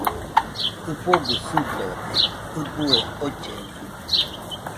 ɨfogɨ sɨdode ɨbuaɨ ollena